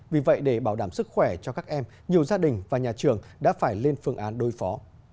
vì vậy để bảo đảm sức khỏe cho các em nhiều gia đình và nhà trường đã phải lên phương án đối phó